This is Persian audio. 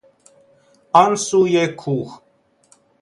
آن سوی کوه